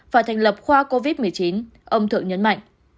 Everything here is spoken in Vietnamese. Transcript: phải thành lập khoa covid một mươi chín ông thượng nhấn mạnh